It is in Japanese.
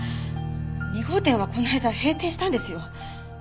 ２号店はこの間閉店したんですよ。